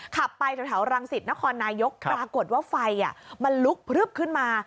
ขับไปแถวรังสิตนครนายกปรากฏว่าไฟมันลุกพลึบขึ้นมา